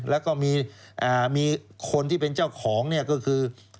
แล้วก็มีคนที่เป็นเจ้าของเนี่ยก็คือ